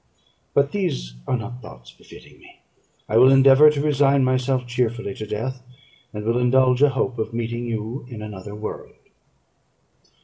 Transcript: But these are not thoughts befitting me; I will endeavour to resign myself cheerfully to death, and will indulge a hope of meeting you in another world."